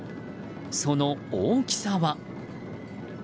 その、大きさは。